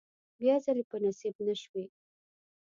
بیا ځلې په نصیب نشوې.